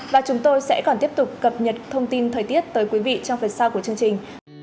và chúng tôi sẽ còn tiếp tục cập nhật thông tin thời tiết tới quý vị trong phần sau của chương trình